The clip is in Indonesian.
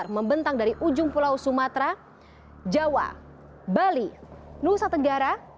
membentang dari ujung pulau sumatera jawa bali nusa tenggara